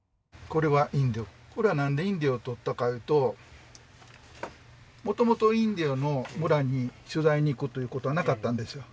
これは何でインディオを撮ったかいうともともとインディオの村に取材に行くということはなかったんですよ